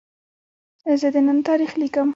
زه د نن تاریخ لیکم.